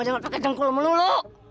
jangan pake jengkol melulu